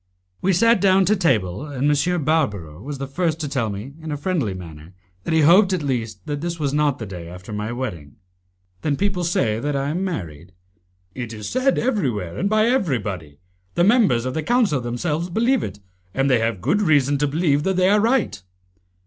We sat down to table, and M. Barbaro was the first to tell me in a friendly manner that he hoped at least that this was not the day after my wedding. "Then people say that I am married?" "It is said everywhere and by everybody. The members of the Council themselves believe it, and they have good reason to believe that they are right."